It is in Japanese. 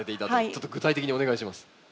ちょっと具体的にお願いします。